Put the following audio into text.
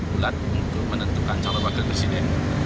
bulat untuk menentukan calon wakil presiden